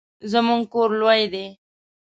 زموږ کور لوی دی